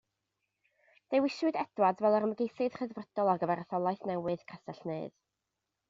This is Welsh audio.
Dewiswyd Edwards fel yr ymgeisydd Rhyddfrydol ar gyfer etholaeth newydd Castell Nedd.